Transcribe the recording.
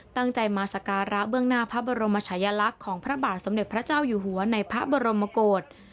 ตั้งใจมาสการะเบื้องหน้าพระบรมชายลักษณ์ของพระบาทสมเด็จพระเจ้าอยู่หัวในพระบรมกฏ